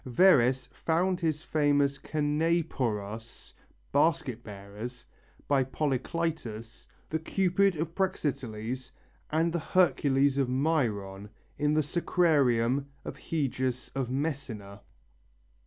Verres found his famous canephoros (basket bearers) by Polycletus, the Cupid of Praxiteles and the Hercules of Myron in the sacrarium of Heius of Messina.